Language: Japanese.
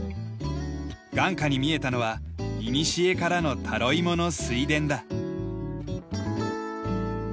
眼下に見えたのはいにしえからのタロイモの水田だ。